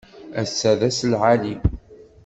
Ass-a d ass lɛali.